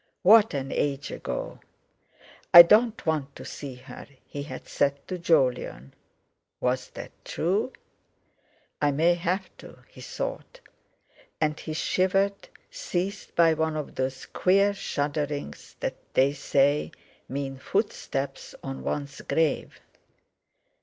What an age ago! "I don't want to see her," he had said to Jolyon. Was that true? "I may have to," he thought; and he shivered, seized by one of those queer shudderings that they say mean footsteps on one's grave.